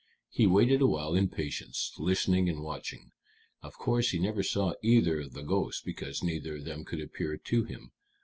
He waited awhile in patience, listening and watching. Of course he never saw either of the ghosts, because neither of them could appear to him.